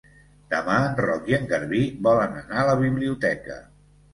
Demà en Roc i en Garbí volen anar a la biblioteca.